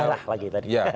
darah lagi tadi